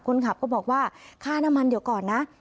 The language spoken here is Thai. คนขับก็บอกว่าค่าน้ำมันเดี๋ยวก่อนนะ